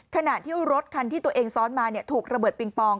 ขณะที่รถคันที่ตัวเองซ้อนมาถูกระเบิดปิงปอง